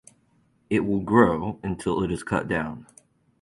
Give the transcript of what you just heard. It will grow until it is cut down.